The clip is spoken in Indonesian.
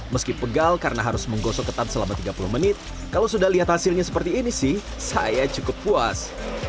meski pegal karena harus menggosok ketan selama tiga puluh menit kalau sudah lihat hasilnya seperti ini sih saya cukup puas